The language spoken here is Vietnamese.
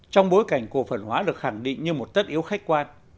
trong bối cảnh cổ phần hóa được khẳng định như một tất yếu khách quan